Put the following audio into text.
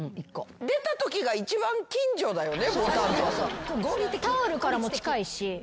出たときが一番近所だよねボタンと。